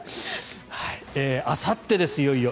あさってです、いよいよ。